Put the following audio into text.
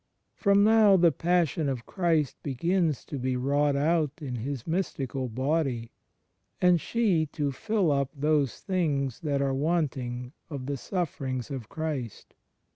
For now the Passion of Christ begins to be wrought out in His Mystical Body, and she to "fill up those things that are wanting of the Sufferings of Christ."